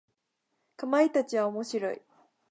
かまいたちは面白い。